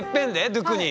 ドゥクニ？